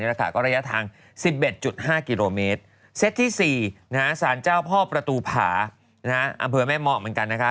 ก็ระยะทาง๑๑๕กิโลเมตรเซตที่๔สารเจ้าพ่อประตูผาอำเภอแม่เหมาะเหมือนกันนะคะ